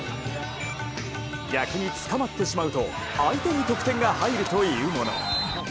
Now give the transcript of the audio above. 逆に捕まってしまうと、相手に得点が入るというもの。